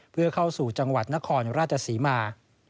เพื่อเข้าสู่จังหวัดนครราชศรีมา